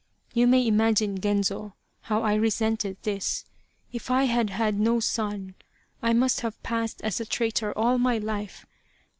You may imagine, Genzo, how I resented this. If I had had no son, I must have passed as a traitor all my life.